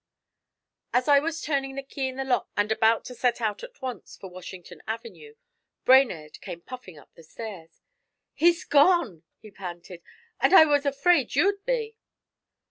As I was turning the key in the lock and about to set out at once for Washington Avenue, Brainerd came puffing up the stairs. 'He's gone!' he panted, 'and I was afraid you'd be!'